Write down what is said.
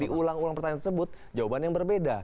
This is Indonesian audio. diulang ulang pertanyaan tersebut jawaban yang berbeda